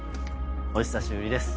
お久しぶりです